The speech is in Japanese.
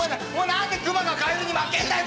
何でクマがカエルに負けんだよ！